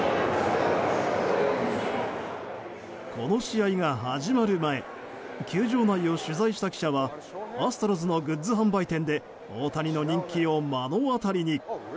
この試合が始まる前球場内を取材した記者はアストロズのグッズ販売店で大谷の人気を目の当たりに。